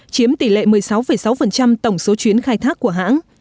chiếm tỷ lệ một mươi sáu sáu tổng số chuyến khai thác của hãng